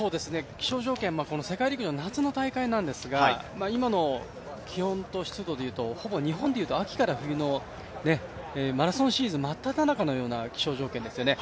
気象条件、世界陸上は夏の大会なんですが今の気温と湿度でいうと日本でいうと秋から冬のマラソンシーズン真っただ中のような気象条件ですよね。